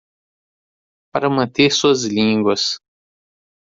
para manter suas línguas